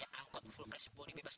yang angkot full price body bebas